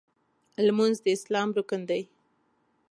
لمونځ د اسلام رکن دی.